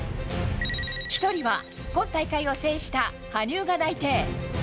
１人は今大会を制した羽生が内定。